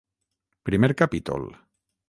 Primer capítol.